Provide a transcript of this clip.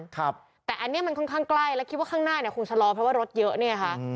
แต่อันนี้มันค่อนข้างใกล้และคิดว่าข้างหน้าเนี่ยคงชะลอเพราะว่ารถเยอะเนี่ยค่ะ